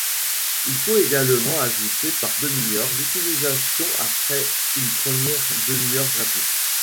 Il faut également ajouter par demi-heure d'utilisation après une première demi-heure gratuite.